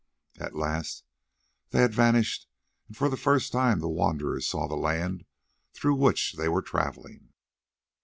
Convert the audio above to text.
At last they had vanished, and for the first time the wanderers saw the land through which they were travelling.